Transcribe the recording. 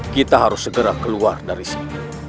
kita harus segera keluar dari sini